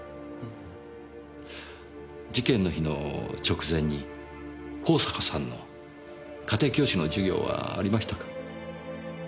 事件の日の直前に香坂さんの家庭教師の授業はありましたか？